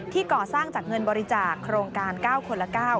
ก่อสร้างจากเงินบริจาคโครงการ๙คนละ๙